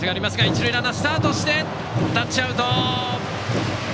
一塁ランナースタートしてタッチアウト！